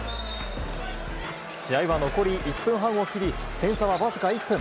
試合は残り１分半を切り、点差は僅か１点。